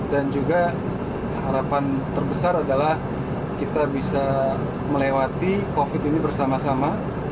dan juga harapan terbesar adalah kita bisa melewati covid ini bersama sama